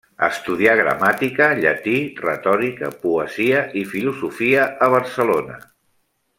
Estudià Gramàtica, Llatí, Retòrica, Poesia i Filosofia a Barcelona.